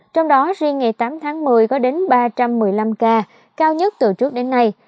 trong đó riêng ngày tám tháng một mươi có đến ba trăm một mươi năm ca cao nhất từ trước đến nay